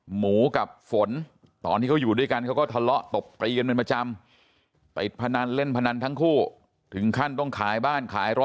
เห็นว่าเดือนที่แล้วก็ยังมาบ้านอยู่